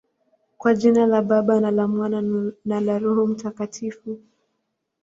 Kwa jina la Baba, na la Mwana, na la Roho Mtakatifu.